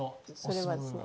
それはですね